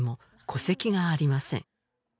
戸籍がありません